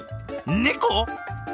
猫？